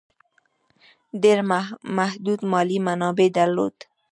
ډېر محدود مالي منابع درلودل.